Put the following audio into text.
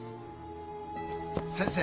先生！